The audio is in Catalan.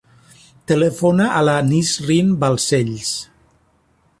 Telefona a la Nisrin Balsells.